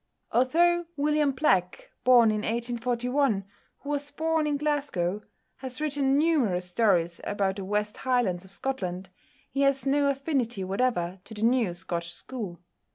Although =William Black (1841 )=, who was born in Glasgow, has written numerous stories about the West Highlands of Scotland, he has no affinity whatever to the new Scotch school.